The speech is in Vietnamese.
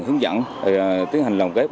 hướng dẫn tiến hành lòng kếp